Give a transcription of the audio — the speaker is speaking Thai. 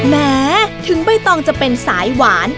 แม้ถึงใบตองจะเป็นสายหวาน